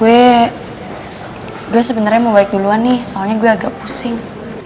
eh gue sebenernya mau balik duluan nih soalnya gue agak pusing